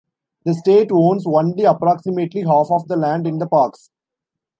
The state owns only approximately half of the land in the parks.